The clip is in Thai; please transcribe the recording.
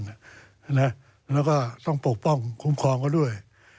แล้วก็ต้องปกป้องคุ้มครองเขาด้วย